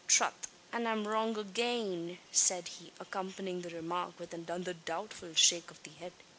"Trath! an I'm wrong agane!" said he, accompanying the remark with another doubtful shake of the head.